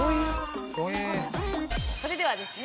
それではですね